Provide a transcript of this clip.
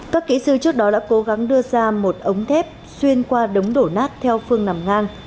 các kỹ sư trước đó đã cố gắng đưa ra một ống thép xuyên qua đống đổ nát theo phương nằm ngang